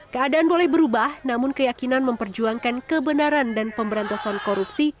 keadaan boleh berubah namun keyakinan memperjuangkan kebenaran dan pemberantasan korupsi